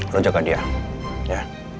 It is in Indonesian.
lo jaga dia ya